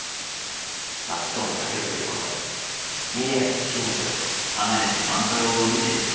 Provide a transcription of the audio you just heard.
まっとうな酒造りこそ峰屋の信条。